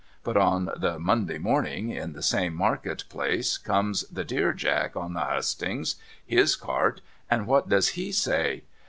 But on the Monday morning, in the same market place, comes the Dear Jack on the hustings — his cart ■— and what does he say